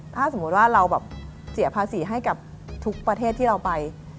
ถ้าสมมุติว่าเราแบบเสียภาษีให้กับทุกประเทศที่เราไป